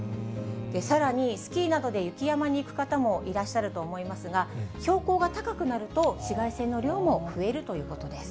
さらに、スキーなどで雪山に行く方もいらっしゃると思いますが、標高が高くなると、紫外線の量も増えるということです。